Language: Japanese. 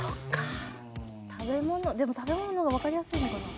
でも食べ物の方がわかりやすいのかな。